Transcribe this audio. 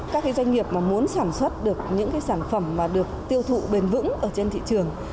các doanh nghiệp muốn sản xuất được những sản phẩm được tiêu thụ bền vững trên thị trường